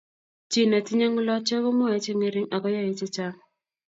Chi netinyei ng'ulotyo komwoe che ng'ering' ak koyai chechang.